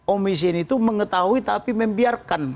omisien itu mengetahui tapi membiarkan